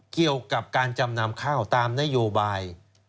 เกี่ยวกับการจำนำข้าวตามนโยบาย